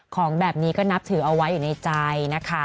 ของแบบนี้ก็นับถือเอาไว้อยู่ในใจนะคะ